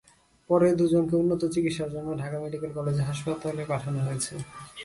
পরে দুজনকে উন্নত চিকিৎসার জন্য ঢাকা মেডিকেল কলেজ হাসপাতালে পাঠানো হয়েছে।